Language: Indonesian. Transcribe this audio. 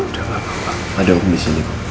ya udah gak apa apa ada hukum disini